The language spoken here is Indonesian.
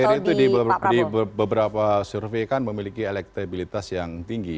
mas erick thohir itu di beberapa survei kan memiliki elektabilitas yang tinggi